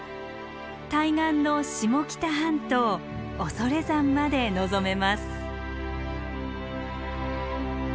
対岸の下北半島恐山まで望めます。